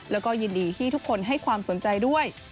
แล้วก็ยินดีที่ทุกคนให้ความสนใจด้วย